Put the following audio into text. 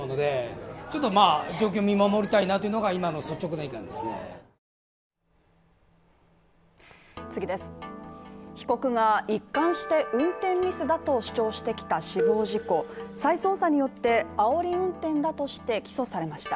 店主は被告が一貫して運転ミスだと主張してきた死亡事故、再捜査によってあおり運転だとして起訴されました。